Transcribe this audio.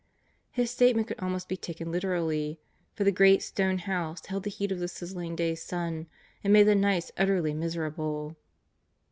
His statement could almost be taken literally, for the great stone house held the heat of the sizzling days' sun and made the nights utterly miserable.